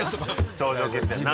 頂上決戦なし。